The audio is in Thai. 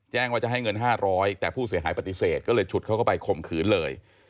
ว่าจะให้เงิน๕๐๐แต่ผู้เสียหายปฏิเสธก็เลยฉุดเขาเข้าไปข่มขืนเลย